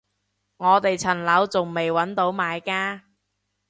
我哋層樓仲未搵到買家